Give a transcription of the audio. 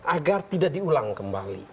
agar tidak diulang kembali